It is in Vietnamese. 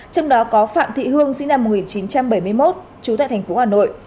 trong đó có phạm thị hương sinh năm một nghìn chín trăm bảy mươi một trú tại thành phố hà nội